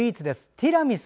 ティラミス。